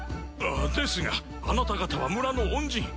ああですがあなた方は村の恩人。